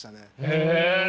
へえ！